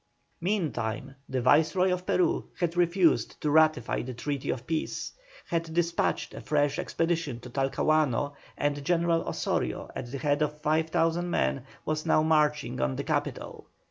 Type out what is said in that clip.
Meantime, the Viceroy of Peru had refused to ratify the treaty of peace, had despatched a fresh expedition to Talcahuano, and General Osorio at the head of 5,000 men was now marching on the capital.